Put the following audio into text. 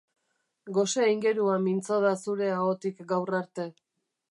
Gose-aingerua mintzo da zure ahotik gaur arte.